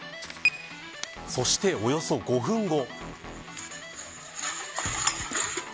そして、およそ５分後。